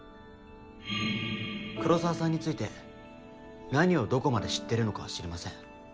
黒澤さんについて何をどこまで知ってるのかは知りません。